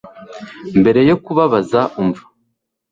mbere yo kubabaza, umva